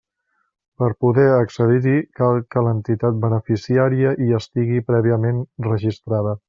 Per poder accedir-hi cal que l'entitat beneficiària hi estigui prèviament registrada.